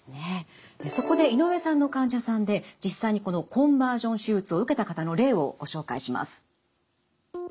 そこで井上さんの患者さんで実際にこのコンバージョン手術を受けた方の例をご紹介します。